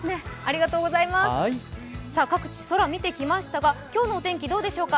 各地、空見てきましたが今日の天気どうでしょうか。